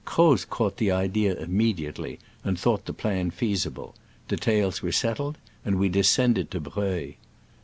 Croz caught the idea immediately, and thought the plan feasible: details were settled, and we descended to Breuil.